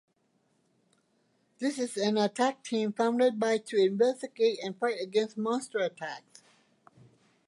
The is an attack team founded by to investigate and fight against monster attacks.